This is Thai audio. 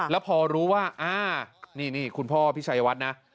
แล้วพอรู้ว่าอ่านี่คุณพ่อพี่ชัยวัดนะ